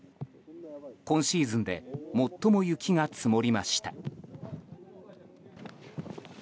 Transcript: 今シーズンで最も雪が積もりました。